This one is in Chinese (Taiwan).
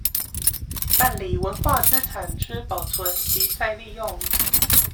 辦理文化資產之保存及再利用